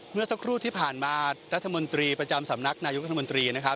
เมื่อสักครู่ที่ผ่านมารัฐมนตรีประจำสำนักนายุทธมนตรีนะครับ